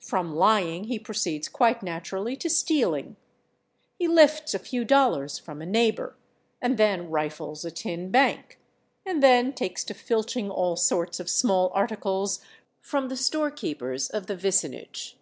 From lying he proceeds quite naturally to stealing: he lifts a few dollars from a neighbor, and then rifles a tin bank, and then takes to filching all sorts of small articles from the storekeepers of the vicinage.